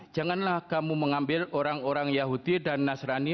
janganlah kamu mengambil orang orang yahudi dan nasrani